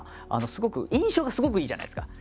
すごく印象がすごくいいじゃないですか。